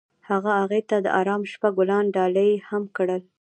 هغه هغې ته د آرام شپه ګلان ډالۍ هم کړل.